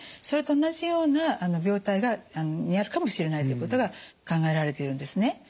それと同じような病態にあるかもしれないということが考えられているんですね。